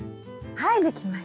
はい。